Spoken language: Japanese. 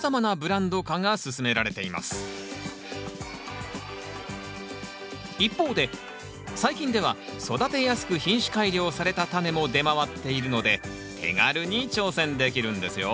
家庭菜園では敷居が高いと思われがちですが最近では育てやすく品種改良されたタネも出回っているので手軽に挑戦できるんですよ。